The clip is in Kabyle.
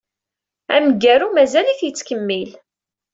Amgaru mazal-it yettkemmil.